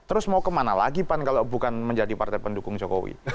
terus mau kemana lagi pan kalau bukan menjadi partai pendukung jokowi